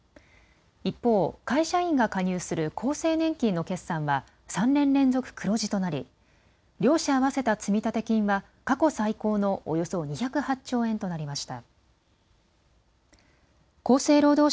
一方、会社員が加入する厚生年金の決算は３年連続黒字となり両者合わせた積立金は過去最高のおよそ２０８兆円となりました。